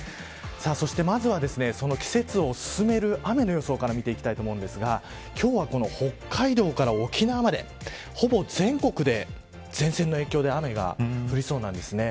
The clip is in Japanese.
そして、まずはその季節を進める雨の予想から見ていきたいと思うんですが今日はこの北海道から沖縄までほぼ全国で前線の影響で雨が降りそうなんですね。